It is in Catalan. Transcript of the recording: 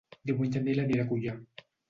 Diumenge en Nil anirà a Culla.